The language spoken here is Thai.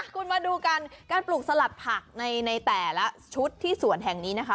คุณมาดูกันการปลูกสลัดผักในแต่ละชุดที่สวนแห่งนี้นะคะ